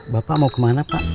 bapak mau kemana pak